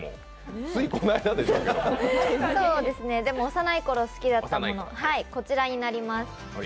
幼いころ好きだったもの、こちらになります。